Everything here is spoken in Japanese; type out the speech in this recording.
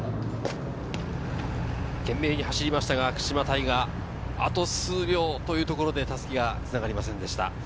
懸命に走りましたが、九嶋大雅、あと数秒というところで襷が繋がりませんでした。